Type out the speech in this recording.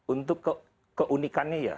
untuk keunikannya ya